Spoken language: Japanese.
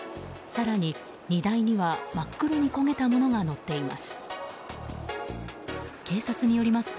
更に荷台には真っ黒に焦げたものが載っています。